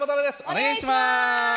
お願いします！